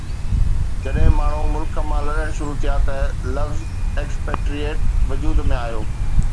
جڏهن ماڻهو ملڪ مان لڏڻ شروع ٿيا ته لفظ Expatriate وجود ۾ آيو